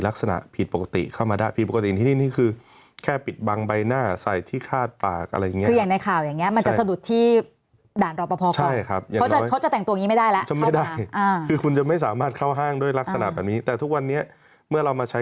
รอบประพาที่นี้นี้อย่างน้อยมันก็จะสามารถยับยั้งคนที่มีลักษณะผิดปกติ